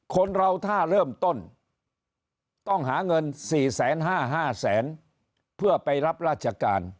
คนเราถ้าเริ่มต้นต้องหาเงิน๔๕๐๐๕แสนเพื่อไปรับราชการ